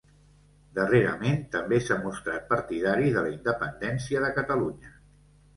Darrerament també s'ha mostrat partidari de la independència de Catalunya.